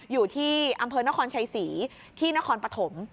อยู่ที่อำเภอนครชัยศรีที่นครปฐม